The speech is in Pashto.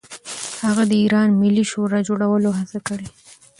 هغه د ایران ملي شورا جوړولو هڅه کړې.